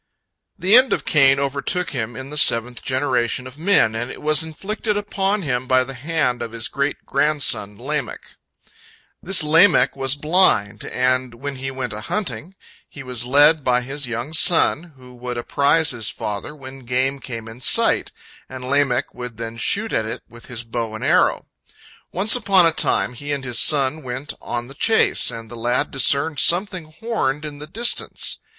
The end of Cain overtook him in the seventh generation of men, and it was inflicted upon him by the hand of his great grandson Lamech. This Lamech was blind, and when he went a hunting, he was led by his young son, who would apprise his father when game came in sight, and Lamech would then shoot at it with his bow and arrow. Once upon a time he and his son went on the chase, and the lad discerned something horned in the distance.